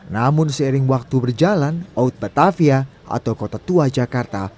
namun seiring waktu berjalan out batavia atau kota tua jakarta